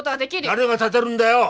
誰が立でるんだよ！